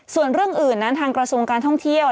ส่วนเรื่องอื่นนั้นทางกระทรวงการท่องเที่ยว